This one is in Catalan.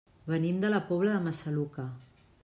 Venim de la Pobla de Massaluca.